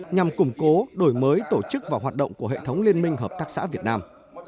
nhằm củng cố đổi mới tổ chức và hoạt động của hệ thống liên minh hợp tác xã việt nam